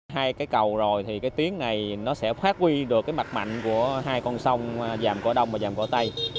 hai cái cầu rồi thì cái tuyến này nó sẽ phát huy được cái mặt mạnh của hai con sông vàm cỏ đông vàm cỏ tây